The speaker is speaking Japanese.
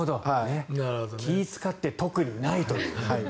気を使って特にないという。